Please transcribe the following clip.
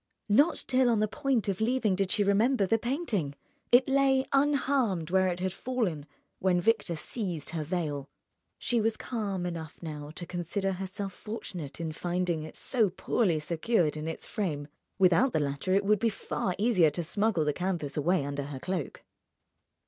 Not till on the point of leaving did she remember the painting. It lay unharmed where it had fallen when Victor seized her veil. She was calm enough now to consider herself fortunate in finding it so poorly secured in its frame; without the latter it would be far easier to smuggle the canvas away under her cloak.